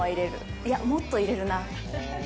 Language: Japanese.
いや、もっといれるな。